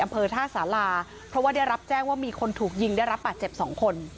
อำเภอท่าสาราเพราะว่าได้รับแจ้งว่ามีคนถูกยิงได้รับบาดเจ็บสองคน